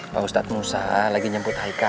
pak ustadz musad lagi nyemput haika